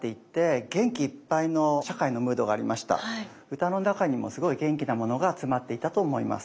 歌の中にもすごい元気なものが集まっていたと思います。